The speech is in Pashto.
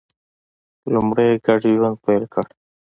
لومړی یې ګډ ژوند پیل کړ.